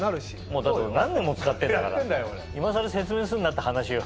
だって何年も使ってんだから今更説明すんなって話よ。